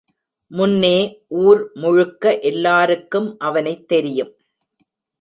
முன்னே ஊர் முழுக்க எல்லாருக்கும் அவனைத் தெரியும்.